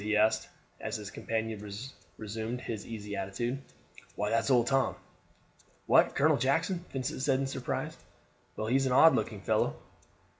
he asked, as his companion resumed his easy attitude. "Why, that's Old Tom." "What! Colonel Jackson!" Vincent said in surprise. "Well, he is an odd looking fellow."